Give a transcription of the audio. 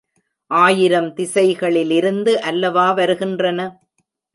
ஆயிரம் திசைகளிலிருந்து அல்லவா வருகின்றன.